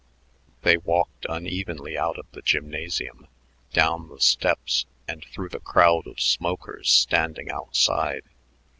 They walked unevenly out of the gymnasium, down the steps, and through the crowd of smokers standing outside.